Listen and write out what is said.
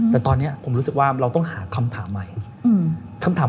แต่ตอนนี้ผมรู้สึกว่าเราต้องหาคำถามใหม่คำถาม